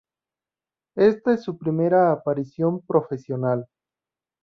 Esta es su primera aparición profesional